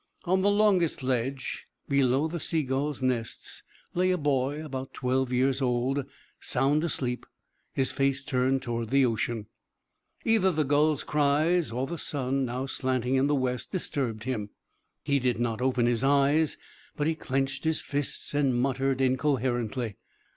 On the longest ledge, below the sea gulls' nests, lay a boy about twelve years old, sound asleep, his face turned toward the ocean. Either the gulls' cries or the sun, now slanting in the west, disturbed him. He did not open his eyes, but he clenched his fists, and muttered incoherently.